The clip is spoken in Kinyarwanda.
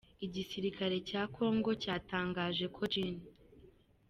Igisirikare cya Congo cyatangaje ko Gen.